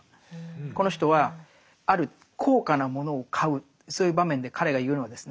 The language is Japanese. この人はある高価なものを買うそういう場面で彼が言うのはですね